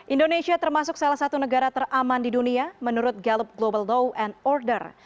indonesia termasuk salah satu negara teraman di dunia menurut gallup global law and order